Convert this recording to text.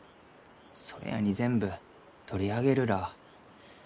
それやに全部取り上げるらあ。